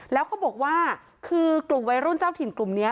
แล้วเขาบอกว่าคือกลุ่มวัยรุ่นเจ้าถิ่นกลุ่มนี้